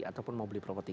ataupun mau beli properti